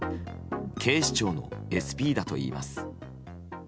警視庁のＳＰだといいます。